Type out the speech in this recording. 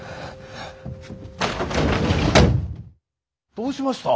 どうしました？